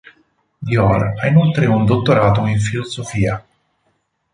Dior ha inoltre un dottorato in Filosofia.